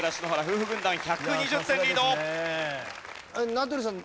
名取さん